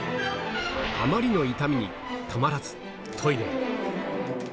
あまりの痛みに、たまらずトイレへ。